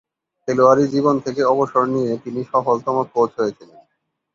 খেলোয়াড়ি জীবন থেকে অবসর নিয়ে তিনি সফলতম কোচ হয়েছিলেন।